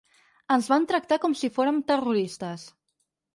“Ens van tractar com si fórem terroristes”.